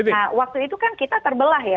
nah waktu itu kan kita terbelah ya